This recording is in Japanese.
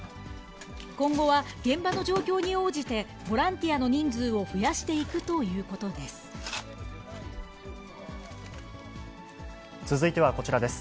今後は現場の状況に応じて、ボランティアの人数を増やしていくということです。